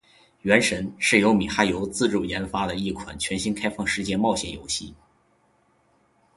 《原神》是由米哈游自主研发的一款全新开放世界冒险游戏。